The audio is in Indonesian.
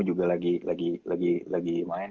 juga lagi main